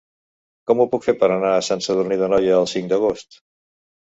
Com ho puc fer per anar a Sant Sadurní d'Anoia el cinc d'agost?